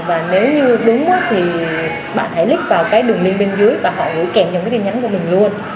và nếu như đúng thì bạn hãy click vào cái đường link bên dưới và họ gửi kèm trong cái tin nhắn của mình luôn